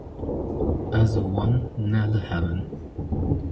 Ez û wan ne li hev in.